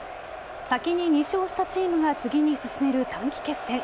先に２勝したチームが次に進める短期決戦。